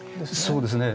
そうですね。